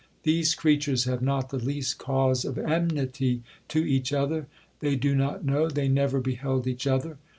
These creatures have not the least cause of enmity to each other—they do not know, they never beheld each other.